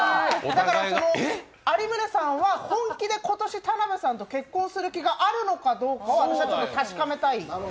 だから有宗さんは本気で今年田辺さんと結婚する気があるのかどうかを私はちょっと確かめたい。